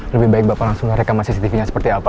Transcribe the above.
lebih baik bapak langsung rekaman cctv nya seperti apa